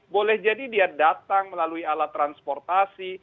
boleh jadi dia datang melalui alat transportasi